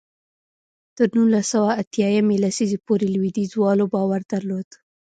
تر نولس سوه اتیا یمې لسیزې پورې لوېدیځوالو باور درلود.